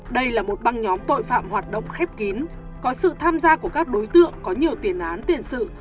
đây là một băng nhóm tội phạm hoạt động khép kín có sự tham gia của các đối tượng có nhiều tiền án tiền sự